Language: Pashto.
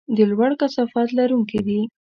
د لوړ کثافت لرونکي دي.